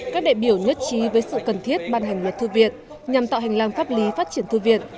các đại biểu nhất trí với sự cần thiết ban hành luật thư viện nhằm tạo hành lang pháp lý phát triển thư viện